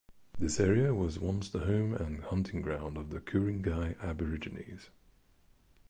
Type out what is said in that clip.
This area was once the home and hunting ground of the Ku-ring-gai Aborigines.